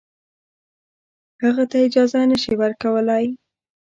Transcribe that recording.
هغه ته اجازه نه شي ورکولای.